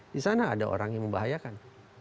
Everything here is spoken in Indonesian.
di sana ada orang yang membahayakan